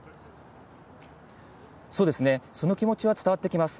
その気持ちは伝わってきます。